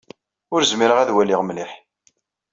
Ur zmireɣ ad waliɣ mliḥ.